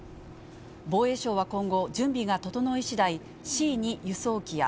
防衛省は今後、準備が整いしだい、Ｃ２輸送機や、